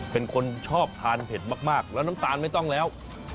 เป็นคนชอบทานเผ็ดมากแล้วน้ำตาลไม่ต้องแล้ว